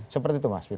seperti itu mas